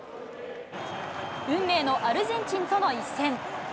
運命のアルゼンチンとの一戦。